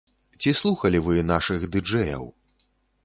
Ці слухалі вы нашых ды-джэяў?